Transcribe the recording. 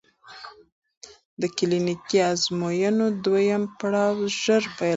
د کلینیکي ازموینو دویم پړاو ژر پیل کېږي.